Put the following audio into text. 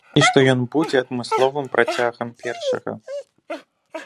І што ён будзе адмысловым працягам першага.